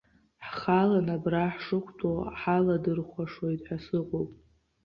Ҳхаланы абра ҳшықәтәоу ҳаладырхәашоит ҳәа сыҟоуп.